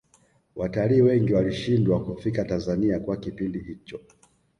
watalii wengi walishindwa kufika tanzania kwa kipindi hicho